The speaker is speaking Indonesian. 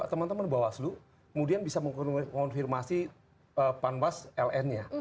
ada teman teman bawaslu kemudian bisa mengkonfirmasi panbas ln nya